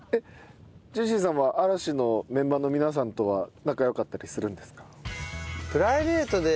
ジェシーさんは嵐のメンバーの皆さんとは仲良かったりするんですか？